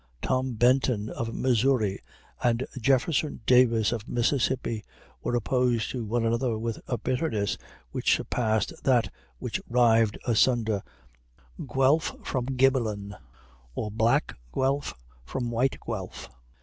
Tom Benton, of Missouri, and Jefferson Davis, of Mississippi, were opposed to one another with a bitterness which surpassed that which rived asunder Guelph from Ghibellin, or black Guelph from white Guelph.